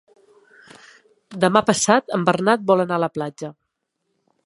Demà passat en Bernat vol anar a la platja.